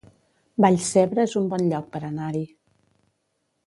Vallcebre es un bon lloc per anar-hi